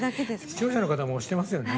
視聴者の方も押してますよね。